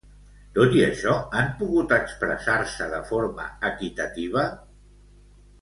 Tot i això, han pogut expressar-se de forma equitativa?